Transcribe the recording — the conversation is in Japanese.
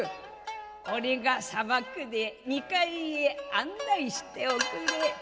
「俺がさばくで２階へ案内しておくれ」。